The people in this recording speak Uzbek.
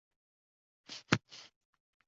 Laganbardor, yaltoqilar urchib ketdi